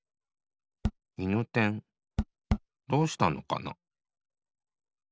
いぬてんどうしたのかな？